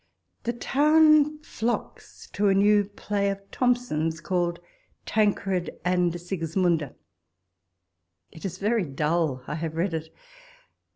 The town flocks to a new play of Thomson's called " Tancred and Sigismunda ": it is very dull ; I have read it.